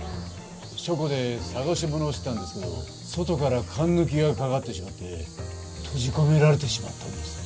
書庫で捜し物をしてたんですけど外からかんぬきがかかってしまって閉じ込められてしまったんです。